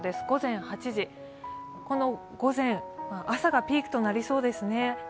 午前８時、朝がピークとなりそうですね。